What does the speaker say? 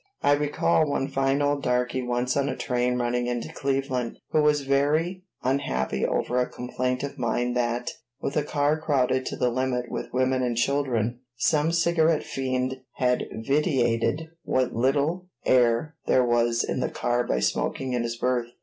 I recall one fine old darky once on a train running into Cleveland, who was very unhappy over a complaint of mine that, with a car crowded to the limit with women and children, some cigarette fiend had vitiated what little air there was in the car by smoking in his berth.